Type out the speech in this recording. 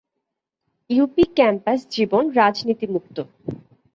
UP campus জীবন রাজনীতি মুক্ত।